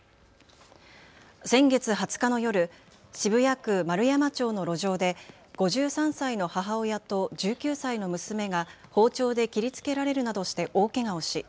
先月２０日の夜、渋谷区円山町の路上で５３歳の母親と１９歳の娘が包丁で切りつけられるなどして大けがをし